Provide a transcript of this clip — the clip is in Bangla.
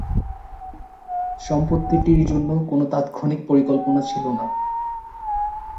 সম্পত্তিটির জন্য কোন তাৎক্ষণিক পরিকল্পনা ছিল না।